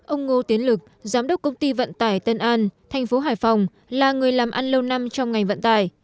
ông ngô tiến lực giám đốc công ty vận tải tân an thành phố hải phòng là người làm ăn lâu năm trong ngành vận tải